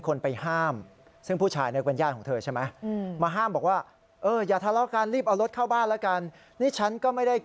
คนโพสต์คือผู้หญิงที่เข้าไปห้าม